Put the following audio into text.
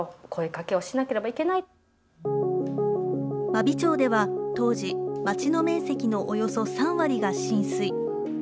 真備町では当時、町の面積のおよそ３割が浸水。